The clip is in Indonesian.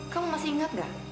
kamu masih ingat gak